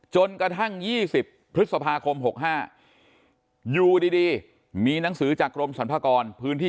จนกระทั่ง๒๐พฤษภาคม๖๕อยู่ดีมีหนังสือจากกรมสรรพากรพื้นที่